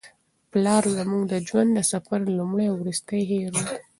پلار زموږ د ژوند د سفر لومړی او وروستی هیرو دی.